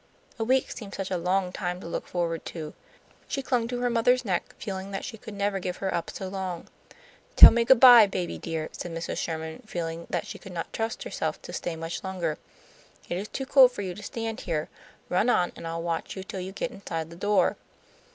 A week seemed such a long time to look forward to. She clung to her mother's neck, feeling that she could never give her up so long. "Tell me good bye, baby dear," said Mrs. Sherman, feeling that she could not trust herself to stay much longer. "It is too cold for you to stand here. Run on, and I'll watch you till you get inside the door."